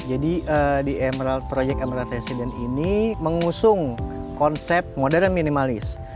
jadi di emerald proyek emerald residence ini mengusung konsep modern minimalis